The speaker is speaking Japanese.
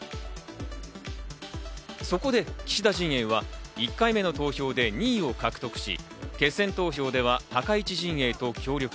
そこで岸田陣営は１回目の投票で２位を獲得し、決選投票では高市陣営と協力。